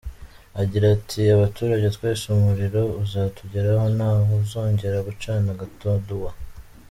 Agira ati “Abaturage twese umuriro uzatugeraho, nta wuzongera gucana agatadowa.